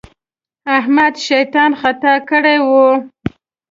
احمد شيطان خطا کړی وو.